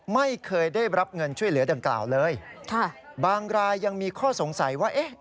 ไม่เคยได้รับเงินช่วยเหลือดังกล่าวเลยค่ะบางรายยังมีข้อสงสัยว่าเอ๊ะ